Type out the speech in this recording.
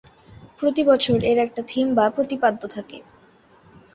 প্রতি বছর এর একটা থিম বা প্রতিপাদ্য থাকে।